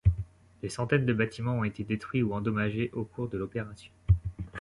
Des centaines de bâtiments ont été détruits ou endommagés au cours de l'opération.